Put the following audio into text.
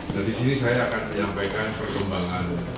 dan disini saya akan menyampaikan perkembangan